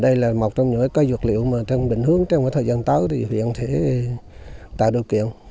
đây là một trong những cây dược liệu mà trong định hướng trong thời gian tới thì huyện sẽ tạo điều kiện